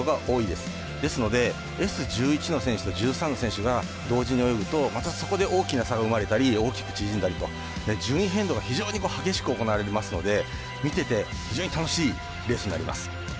ですので、Ｓ１１の選手と１３の選手が同時に泳ぐとまたそこで大きな差が生まれたり大きく縮んだりと順位変動が非常に激しく行われますので見ていて非常に楽しいレースになります。